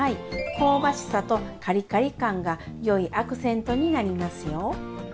香ばしさとカリカリ感がよいアクセントになりますよ。